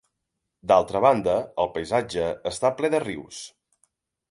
D'altra banda, el paisatge està ple de rius.